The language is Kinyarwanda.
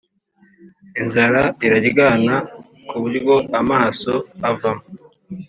inzara iraryana kuburyo amaso avamo